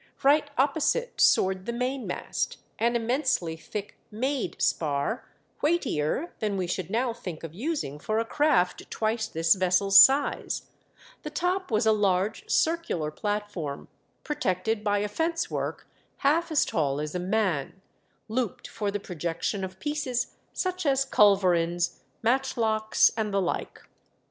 Right opposite soared the mainmast, an immensely thick "made" spar, weightier than we should now think of using for a craft twice this vessel's size ; the top was a large circular platform, protected by a fence work half as tall as a man, looped for the projection of pieces such as culverins, matchlocks and the like.